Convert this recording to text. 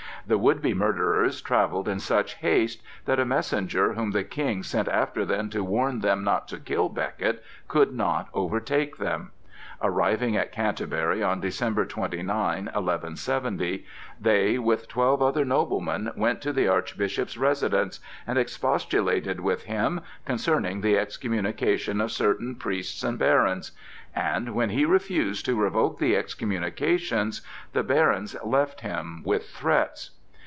The would be murderers travelled in such haste that a messenger whom the King sent after them to warn them not to kill Becket could not overtake them. Arriving at Canterbury on December 29, 1170, they, with twelve other noblemen, went to the Archbishop's residence, and expostulated with him concerning the excommunication of certain priests and barons, and when he refused to revoke the excommunications, the barons left him with threats.